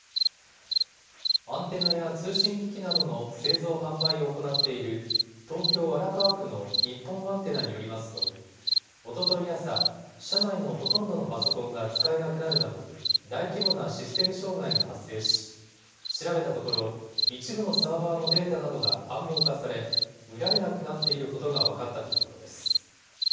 アンテナや通信機器などの製造・販売を行っている東京荒川区の日本アンテナによりますとおととい朝、社内のほとんどのパソコンが使えなくなるなど大規模なシステム障害が発生し調べたところ一部のサーバーのデータなどが暗号化され見られなくなっていることが分かったということです。